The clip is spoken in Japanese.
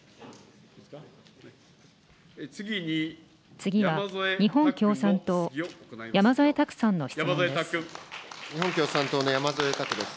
次は日本共産党、山添拓さんの質問です。